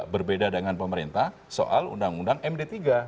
berbeda dengan pemerintah soal undang undang md tiga